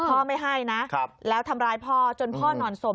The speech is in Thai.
พ่อไม่ให้นะแล้วทำร้ายพ่อจนพ่อนอนศพ